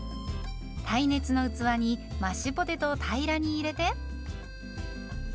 耐熱の器にマッシュポテトを平らに入れて。